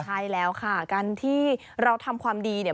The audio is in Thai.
ใช่แล้วค่ะการที่เราทำความดีเนี่ย